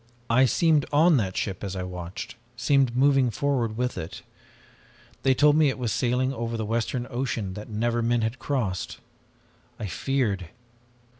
I seemed on that ship as I watched, seemed moving forward with it. They told me it was sailing over the western ocean that never men had crossed. I feared!